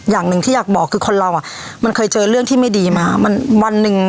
อย่างหนึ่งที่อยากบอกคือคนเราอ่ะมันเคยเจอเรื่องที่ไม่ดีมามันวันหนึ่ง